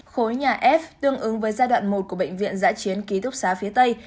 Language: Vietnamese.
khối nhà f tương ứng với giai đoạn một của bệnh viện giã chiến ký túc xá phía tây